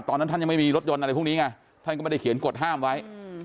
ตอนนั้นท่านยังไม่มีรถยนต์อะไรพวกนี้ไงท่านก็ไม่ได้เขียนกฎห้ามไว้